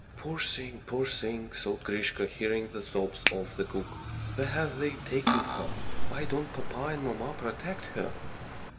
"Poor thing, poor thing," thought Grisha, hearing the sobs of the cook. "Where have they taken her? Why don't papa and mamma protect her?"